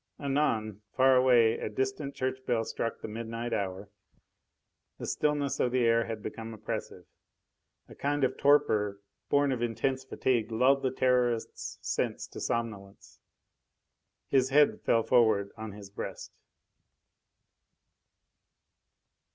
Anon, far away a distant church bell struck the midnight hour. The stillness of the air had become oppressive. A kind of torpor born of intense fatigue lulled the Terrorist's senses to somnolence. His head fell forward on his breast....